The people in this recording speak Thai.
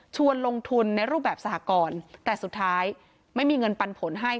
ลงทุนในรูปแบบสหกรแต่สุดท้ายไม่มีเงินปันผลให้